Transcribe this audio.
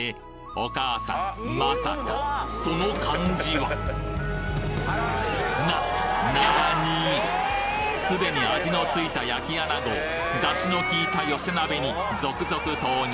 お母さんまさかその感じはななにすでに味のついた焼き穴子を出汁の効いた寄せ鍋に続々投入